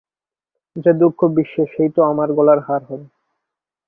যে দুঃখ বিশ্বের সেই তো আমার গলার হার হবে।